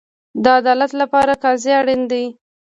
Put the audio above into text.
د عدالت لپاره قاضي اړین دی